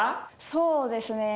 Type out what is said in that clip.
そうですね。